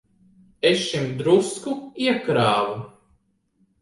Es šim drusku iekrāvu.